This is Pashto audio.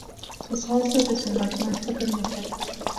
ځغاسته د صحتمند فکر نښه ده